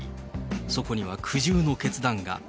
そこには苦渋の決断が。